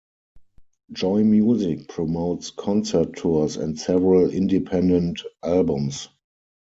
Joy Music promotes concert tours and several independent albums.